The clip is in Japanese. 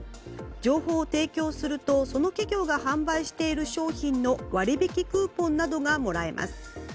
情報を提供するとその企業が販売している商品の割引クーポンなどがもらえます。